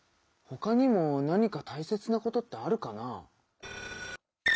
ほかにも何か大切なことってあるかな？